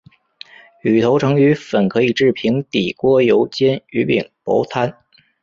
芋头成芋粉可以制平底锅油煎芋饼薄餐。